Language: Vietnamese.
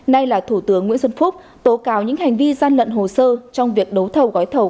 nay là thủ tướng nguyễn xuân phúc tố cáo những hành vi gian lận hồ sơ trong việc đấu thầu gói thầu